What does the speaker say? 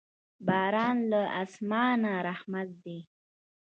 باران له اسمانه رحمت دی.